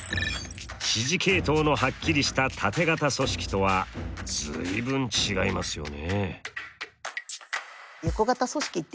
指示系統のはっきりしたタテ型組織とは随分違いますよね。